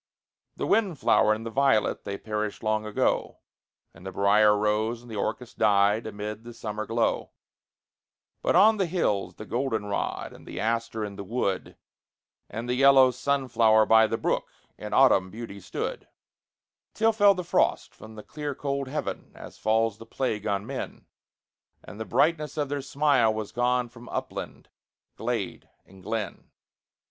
The wind flower and the violet, they perished long ago, And the brier rose and the orchis died amid the summer glow; But on the hills the golden rod, and the aster in the wood, And the yellow sunflower by the brook, in autumn beauty stood, Till fell the frost from the clear cold heaven, as falls the plague on men, And the brightness of their smile was gone from upland, glade, and glen.